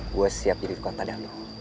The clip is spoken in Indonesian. gue siap jadi kuantanian lo